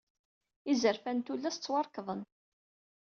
Izerfan n tullas ttwarekḍen.